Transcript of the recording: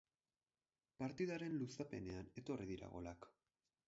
Partidaren luzapenean etorri dira golak.